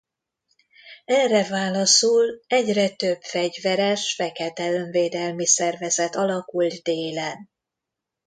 Erre válaszul egyre több fegyveres fekete önvédelmi szervezet alakult Délen.